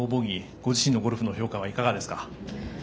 ご自身のゴルフの評価はいかがですか。